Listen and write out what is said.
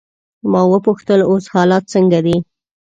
ما وپوښتل: اوس حالات څنګه دي؟